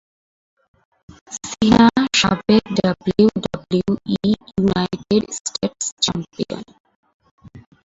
সিনা সাবেক WWE United States champion.